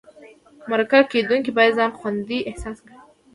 مرکه کېدونکی باید ځان خوندي احساس کړي.